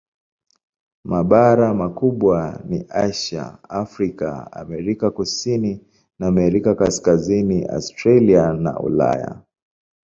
Mabara makubwa ni Asia, Afrika, Amerika Kusini na Amerika Kaskazini, Australia na Ulaya.